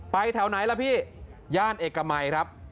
แถวไหนล่ะพี่ย่านเอกมัยครับ